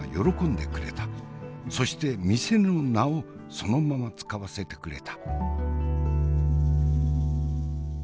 そして店の名をそのまま使わせてくれた。